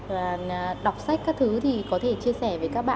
và đọc sách các thứ thì có thể chia sẻ với các bạn